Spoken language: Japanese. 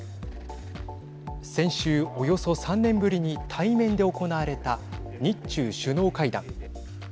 先週、およそ３年ぶりに対面で行われた日中首脳会談。